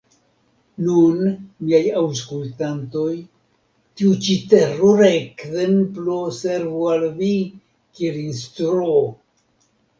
Nun, miaj aŭskultantoj, tiu ĉi terura ekzemplo servu al vi kiel instruo!